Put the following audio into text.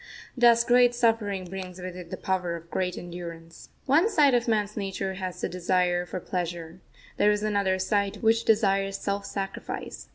Thus great suffering brings with it the power of great endurance. One side of man's nature has the desire for pleasure there is another side which desires self sacrifice.